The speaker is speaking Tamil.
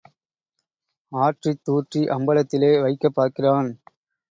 ஆற்றித் தூற்றி அம்பலத்திலே வைக்கப் பார்க்கிறான்.